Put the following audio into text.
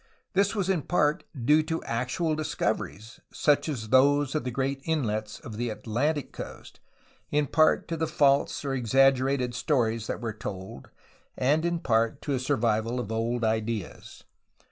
This was in part due to actual discoveries, such as those of the great inlets of the Atlantic coast, in part to the false or exaggerated stories that were told, and in part to a survival of old ideas.